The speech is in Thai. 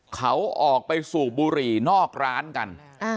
เขาออกไปสูบบุหรี่นอกร้านกัน